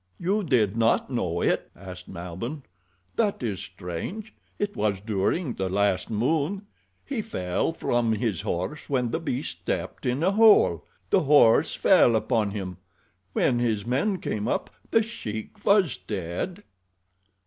"You did not know it?" asked Malbihn. "That is strange. It was during the last moon. He fell from his horse when the beast stepped in a hole. The horse fell upon him. When his men came up The Sheik was quite dead."